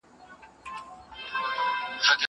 زه به د کتابتوننۍ سره خبري کړي وي!؟